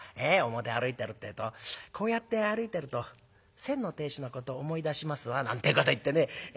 表歩いてるってえと『こうやって歩いてると先の亭主のこと思い出しますわ』なんてこと言ってね。